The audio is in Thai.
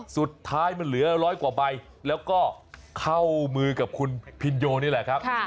สุดท้ายมันเหลือร้อยกว่าใบแล้วก็เข้ามือกับคุณพินโยนี่แหละครับ